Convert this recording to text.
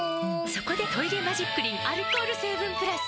そこで「トイレマジックリン」アルコール成分プラス！